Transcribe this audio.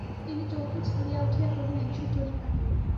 তিনি চৌকি ছাড়িয়া উঠিয়া কহিলেন, সুচরিতা!